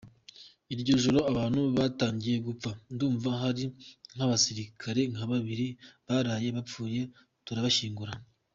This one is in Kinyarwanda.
Iryo joro abantu batangiye gupfa, ndumva hari nk’abasirikare nka babiri baraye bapfuye turabashyingura.